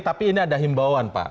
tapi ini ada himbauan pak